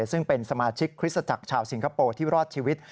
ซึ่งเป็นสมาชิกคริสตจักรชาวสิงคโปร์ที่รอดชีวิต